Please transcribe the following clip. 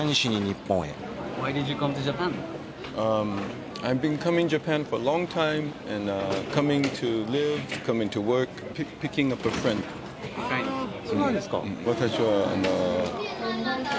あぁそうなんですか。